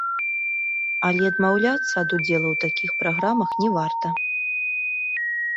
Але адмаўляцца ад удзелу ў такіх праграмах не варта.